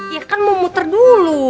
ya kan mau muter dulu